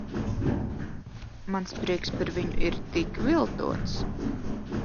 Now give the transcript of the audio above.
Mans prieks par viņu ir tik viltots.